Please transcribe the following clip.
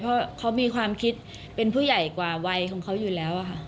เพราะเขามีความคิดเป็นผู้ใหญ่กว่าวัยของเขาอยู่แล้วค่ะ